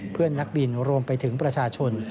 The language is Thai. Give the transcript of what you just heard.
เพื่อนนักบินรวมไปถึงประชาชน